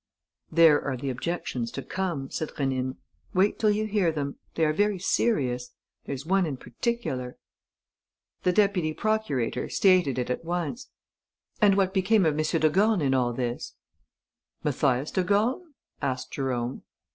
"There are the objections to come," said Rénine. "Wait till you hear them. They are very serious. There's one in particular...." The deputy procurator stated it at once: "And what became of M. de Gorne in all this?" "Mathias de Gorne?" asked Jérôme.